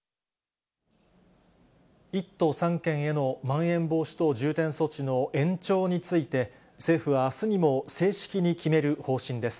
１都３県へのまん延防止等重点措置の延長について、政府はあすにも正式に決める方針です。